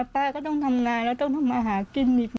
ก็ต้องทำงานแล้วต้องทำมาหากินอีก